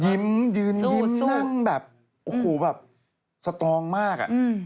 ใจดีมากเลยนะครับยิ้มยืนยิ้มนั่งแบบโอ้โฮแบบสตรองมาก